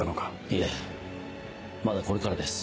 いえまだこれからです。